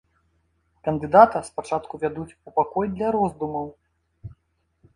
Кандыдата спачатку вядуць у пакой для роздумаў.